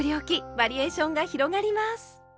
バリエーションが広がります！